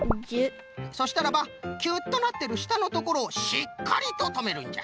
そしたらばキュッとなってるしたのところをしっかりととめるんじゃ。